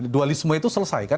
dualisme itu selesai kan